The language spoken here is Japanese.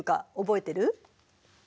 覚えてる。